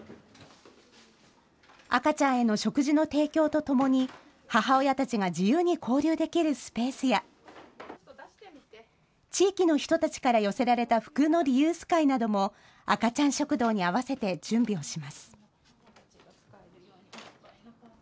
赤ちゃんへの食事の提供とともに、母親たちが自由に交流できるスペースや、地域の人たちから寄せられた服のリユース会なども、赤ちゃん食堂に合わせて準備をします。